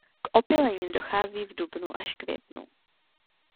K opylení dochází v dubnu až květnu.